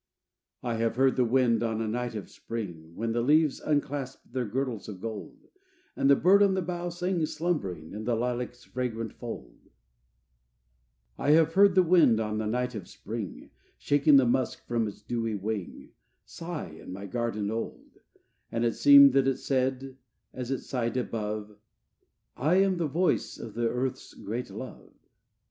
II I have heard the wind on a night of spring, When the leaves unclasped their girdles of gold, And the bird on the bough sang slumbering, In the lilac's fragrant fold: I have heard the wind on a night of spring, Shaking the musk from its dewy wing, Sigh in my garden old: And it seemed that it said, as it sighed above, "I am the voice of the Earth's great love."